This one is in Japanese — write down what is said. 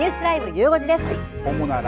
ゆう５時です。